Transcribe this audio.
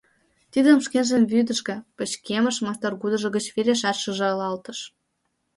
Тидым шкенжын вӱдыжгӧ, пычкемыш мастаргудыжо гыч Верешат шижылалтыш.